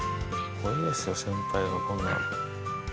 光栄ですよ、先輩がこんな。